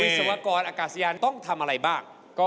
ศวกรอากาศยานต้องทำอะไรบ้าง